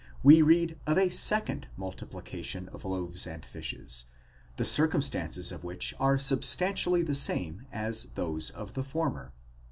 we read of a second multiplication of loaves and fishes, the circumstances of which are substan tially the same as those of the former.